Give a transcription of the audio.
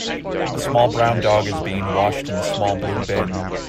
A small brown dog is being washed in a small blue bin.